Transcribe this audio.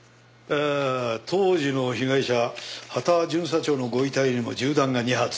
あー当時の被害者羽田巡査長のご遺体にも銃弾が２発。